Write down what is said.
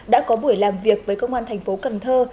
đã có buổi làm việc với công an thành phố cần thơ